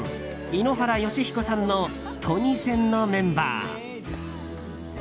井ノ原快彦さんのトニセンのメンバー。